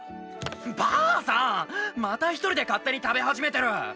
バアさんまたひとりで勝手に食べ始めてる！